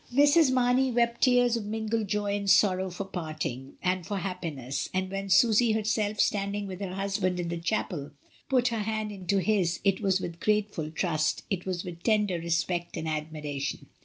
Mrs. Mamey wept tears of mingled joy and sorrow for parting, and for happi ness, and when Susy herself, standing with her hus band in the chapel, put her hand into his, it was with grateful trust, it was with tender respect and admiration.